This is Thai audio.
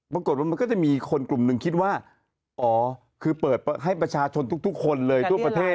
ปรากฏว่ามันก็จะมีคนกลุ่มหนึ่งคิดว่าอ๋อคือเปิดให้ประชาชนทุกคนเลยทั่วประเทศ